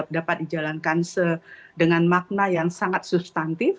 dapat dijalankan dengan makna yang sangat substantif